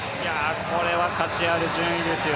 これは価値ある順位ですよ。